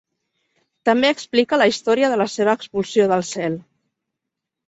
També explica la història de la seva expulsió del cel.